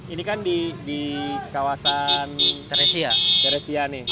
ini kan di kawasan ceresia nih